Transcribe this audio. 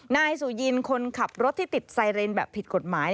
นายสุยินคนขับรถที่ติดไซเรนแบบผิดกฎหมาย